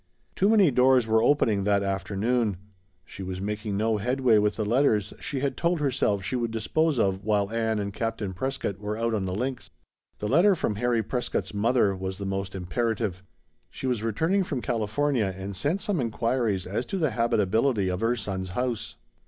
Too many doors were opening that afternoon. She was making no headway with the letters she had told herself she would dispose of while Ann and Captain Prescott were out on the links. The letter from Harry Prescott's mother was the most imperative. She was returning from California and sent some inquiries as to the habitability of her son's house.